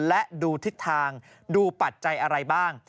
และดูทิศทางดูปัจจัยอะไรบ้าง